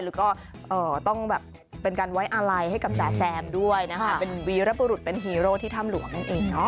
แล้วก็ต้องเป็นการไว้อาลัยให้กำจาแซมด้วยเป็นวีรบุรุษเป็นฮีโร่ที่ทำหลวงกันเอง